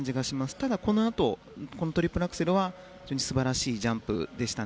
ただ、このあとトリプルアクセルは非常に素晴らしいジャンプでした。